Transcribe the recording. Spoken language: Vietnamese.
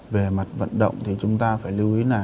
về mặt vận động thì chúng ta phải lưu ý là